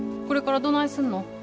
これからどないすんの？